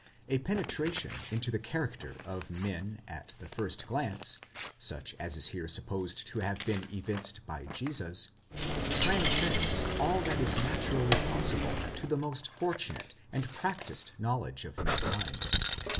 A penetration into the character of men at the first glance, such as is here sup posed to have been evinced by Jesus, transcends all that is naturally possible to the most fortunate and practised knowledge of mankind.